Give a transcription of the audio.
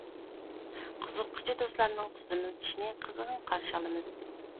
قىزىققۇچى دوستلارنىڭ تىزىملىتىشىنى قىزغىن قارشى ئالىمىز.